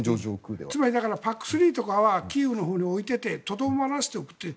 つまりＰＡＣ３とかはキーウのほうに置いていてとどまらせているという。